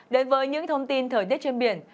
đến với những thông tin thời tiết trên biển